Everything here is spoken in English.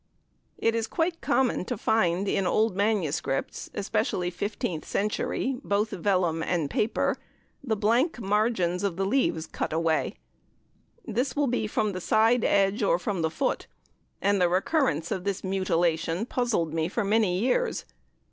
It is quite common to find in old MSS., especially fifteenth century, both vellum and paper, the blank margins of leaves cut away. This will be from the side edge or from the foot, and the recurrence of this mutilation puzzled me for many years.